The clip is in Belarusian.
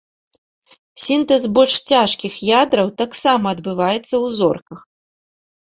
Сінтэз больш цяжкіх ядраў таксама адбываецца ў зорках.